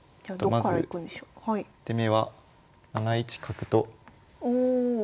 まず１手目は７一角と打ちます。